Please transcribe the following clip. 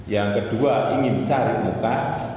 yang kedua ingin cari muka